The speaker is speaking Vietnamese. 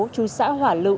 chui xã hỏa lựu